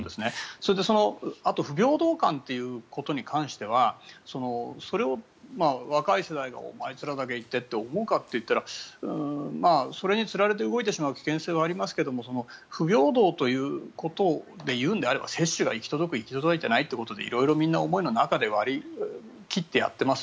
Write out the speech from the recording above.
それで、あと不平等感ということに関してはそれを若い世代があいつらだけ行ってと思うかといったらそれにつられて動いてしまう危険性はありますけど不平等ということでいうのであれば接種が行き届く行き届いていないという中で割り切ってやっています。